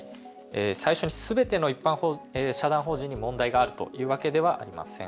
最初にすべての一般社団法人に問題があるというわけではありません。